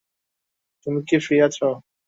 তুমি কি ফ্রি আছ?